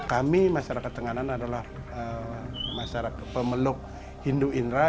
kami masyarakat tenganan adalah masyarakat pemeluk hindu indra